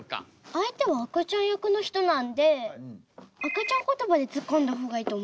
相手は赤ちゃん役の人なので赤ちゃんことばでツッコんだ方がいいと思います。